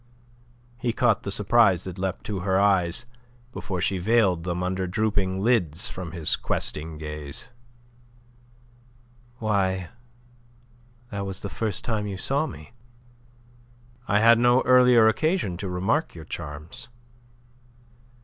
He caught the surprise that leapt to her eyes, before she veiled them under drooping lids from his too questing gaze. "Why, that was the first time you saw me." "I had no earlier occasion to remark your charms."